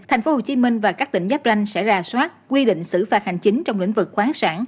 tp hcm và các tỉnh giáp ranh sẽ ra soát quy định xử phạt hành chính trong lĩnh vực khoáng sản